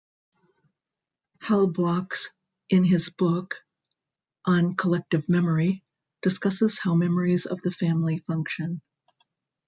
Halbwachs in his book "On Collective Memory" discusses how memories of the family function.